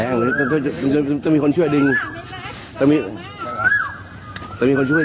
ดูด้วยอ่ะดูด้วยอ่ะสวยด้วยสวยไหมนี่แหละเอาลงมา